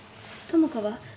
友果は？